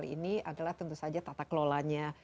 ini adalah tentu saja tata kelolanya